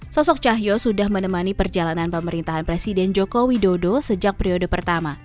sosok cahyo sudah menemani perjalanan pemerintahan presiden joko widodo sejak periode pertama